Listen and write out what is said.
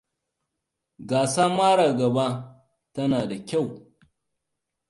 Gasa mara gaba tana da kyau.